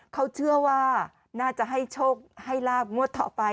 เขาเชื่อว่าน่าจะให้โชคให้ลาบงวดต่อไป